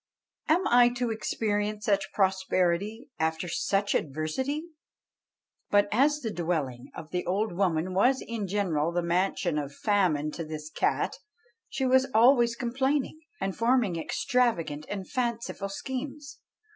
Am I to experience such prosperity after such adversity?" But as the dwelling of the old woman was in general the mansion of famine to this cat, she was always complaining, and forming extravagant and fanciful schemes.